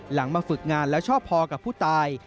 มาฝึกงานแล้วชอบพอกับผู้ตาย